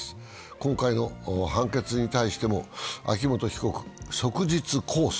今回の判決に対しても秋元被告、即日控訴。